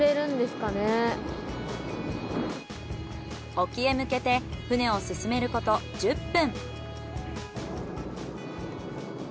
沖へ向けて船を進めること１０分。